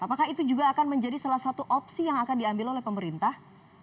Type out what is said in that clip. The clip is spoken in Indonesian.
apakah itu juga akan menjadi salah satu opsi yang akan diambil oleh pemerintah